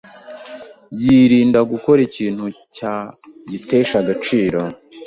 yirinda gukora ikintu cyayitesha agaciro.